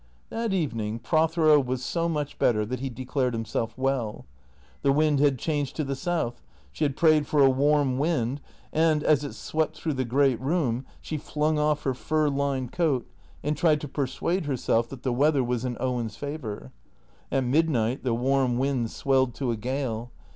That evening Prothero was so much better that he declared himself well. The wind had changed to the south. She had prayed for a warm wind ; and, as it swept through the great room, she flung off her fur lined coat and tried to persuade herself that the weather was in Owen's favour. At midnight the warm wind swelled to a gale.